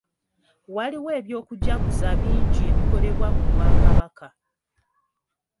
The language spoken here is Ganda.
Waliwo eby'okujaguza bingi ebikolebwa mu bwakabaka.